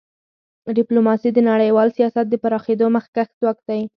ډیپلوماسي د نړیوال سیاست د پراخېدو مخکښ ځواک دی.